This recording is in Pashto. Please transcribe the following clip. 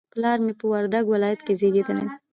پلار مې په وردګ ولایت کې زیږدلی